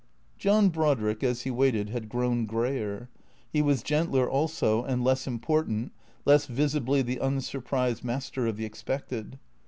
John Brodrick, as he waited, had grown greyer ; he was gentler also and less important, less visibly the unsurprised master of the expected.